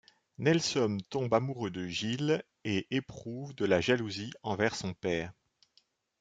Nelson tombe amoureux de Jill et éprouve de la jalousie envers son père.